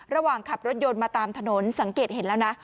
ระหว่างขับรถยนต์มาตามถนนสังเกตเห็นแล้วนะ